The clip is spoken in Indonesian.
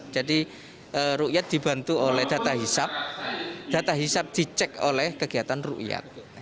jadi rukyat dibantu oleh data hisap data hisap dicek oleh kegiatan rukyat